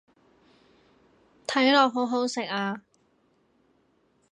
睇落好好食啊